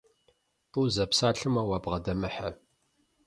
ТӀу зэпсалъэмэ, уабгъэдэмыхьэ.